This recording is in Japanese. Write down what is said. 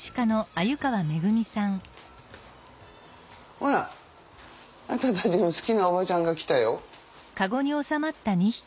ほらあんたたちの好きなおばちゃんが来たよ。